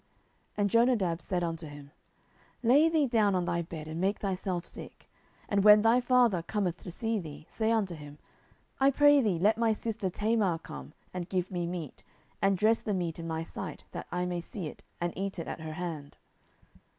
10:013:005 And Jonadab said unto him, Lay thee down on thy bed, and make thyself sick: and when thy father cometh to see thee, say unto him, I pray thee, let my sister Tamar come, and give me meat, and dress the meat in my sight, that I may see it, and eat it at her hand.